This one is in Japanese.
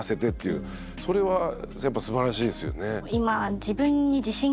それはやっぱすばらしいですよね。